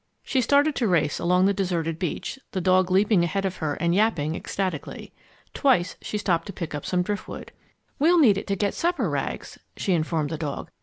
She started to race along the deserted beach, the dog leaping ahead of her and yapping ecstatically. Twice she stopped to pick up some driftwood. "We'll need it to get supper, Rags," she informed the dog.